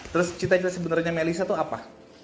terus cerita cerita sebenarnya melisa tuh apa